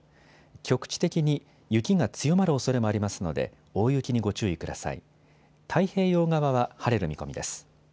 局地的に雪が強まるおそれもありますので大雪にご注意ください。